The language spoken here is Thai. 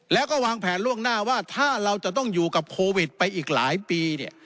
แล้วก็วางแผนล่วงหน้าว่าถ้าเราจะต้องอยู่กับโควิดไปอีกหลายปีเนี่ย